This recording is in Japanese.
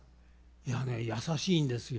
いやねえ優しいんですよ。